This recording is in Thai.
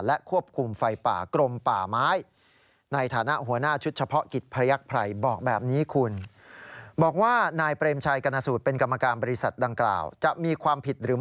และควบคุมไฟป่ากรมป่าไม้